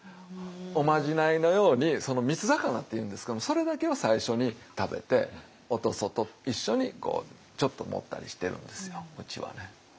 おまじないのように三つ肴っていうんですけどもそれだけは最初に食べてお屠蘇と一緒にちょっと盛ったりしてるんですようちはね。